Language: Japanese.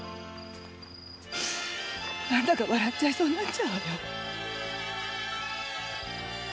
何だか笑っちゃいそうになっちゃうわよ。